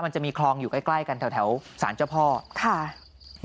จะมีคลองอยู่ใกล้กันแถวสารเจ้าพ่อ